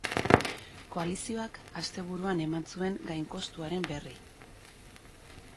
Koalizioak asteburuan eman zuen gainkostuaren berri.